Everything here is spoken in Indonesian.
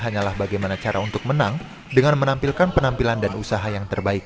hanyalah bagaimana cara untuk menang dengan menampilkan penampilan dan usaha yang terbaik